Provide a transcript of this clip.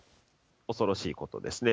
恐ろしいことですね。